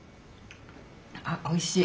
あおいしい。